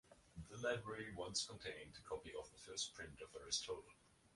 The library once contained a copy of the first print of Aristotle.